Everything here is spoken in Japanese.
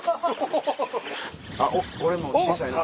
あっ俺も小さいな。